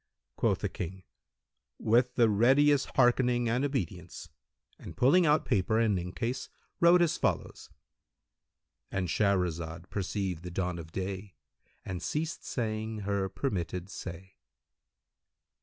Quoth the boy, "With the readiest hearkening and obedience," and pulling out paper and inkcase[FN#175] wrote as follows:—And Shahrazad perceived the dawn of day and ceased saying her permitted say.